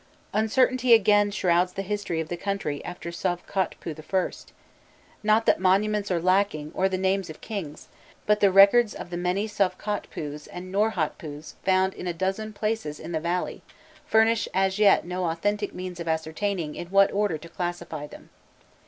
Uncertainty again shrouds the history of the country after Sovkhotpû I.: not that monuments are lacking or names of kings, but the records of the many Sovkhotpûs and Nonrhotpûs found in a dozen places in the valley, furnish as yet no authentic means of ascertaining in what order to classify them.